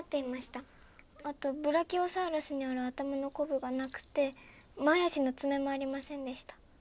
あとブラキオサウルスにある頭のコブがなくて前足の爪もありませんでした。